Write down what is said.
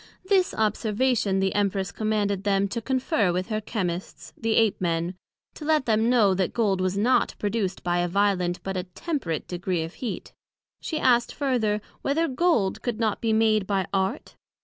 This Observation, the Empress commanded them to confer with her Chymists, the Ape men; to let them know that Gold was not produced by a violent, but a temperate degree of heat. She asked further, Whether Gold could not be made by Art?